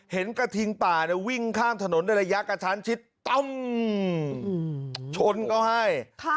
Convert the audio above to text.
กระทิงป่าวิ่งข้ามถนนในระยะกระชั้นชิดตั้มชนเขาให้